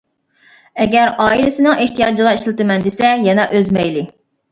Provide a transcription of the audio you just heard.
ئەگەر ئائىلىسىنىڭ ئېھتىياجىغا ئىشلىتىمەن دېسە يەنە ئۆز مەيلى.